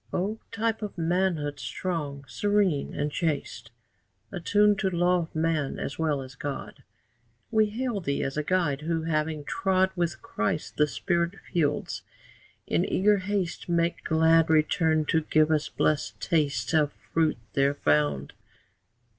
O type of manhood, strong, serene, and chaste, Attuned to law of man as well as God, We hail thee as a guide, who, having trod With Christ the spirit fields, in eager haste Makes glad return to give us blessed taste Of fruit there found.